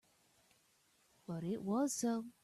But it was so.